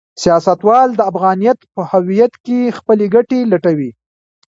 سیاستوالان د افغانیت په هویت کې خپلې ګټې لټوي.